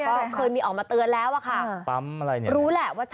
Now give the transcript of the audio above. ก็เคยมีออกมาเตือนแล้วค่ะ